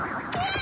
あ！